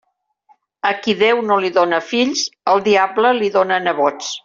A qui Déu no li dóna fills, el diable li dóna nebots.